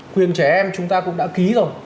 quyền trẻ em chúng ta cũng đã ký rồi